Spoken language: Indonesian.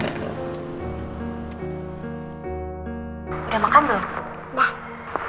orang lu orang orang gua juga boxes